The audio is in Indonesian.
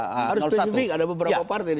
harus spesifik ada beberapa partai